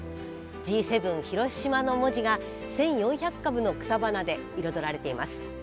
「Ｇ７ＨＩＲＯＳＨＩＭＡ」の文字が１，４００株の草花で彩られています。